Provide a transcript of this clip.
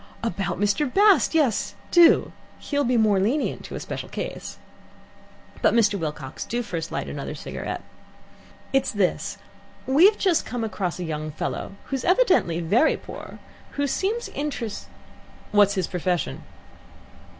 "About Mr. Bast? Yes, do. He'll be more lenient to a special case. "But, Mr. Wilcox, do first light another cigarette. It's this. We've just come across a young fellow, who's evidently very poor, and who seems interest " "What's his profession?"